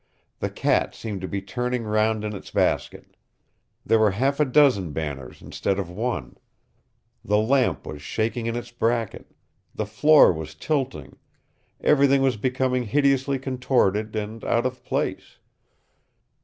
The cat seemed to be turning round in its basket. There were half a dozen banners instead of one; the lamp was shaking in its bracket; the floor was tilting, everything was becoming hideously contorted and out of place.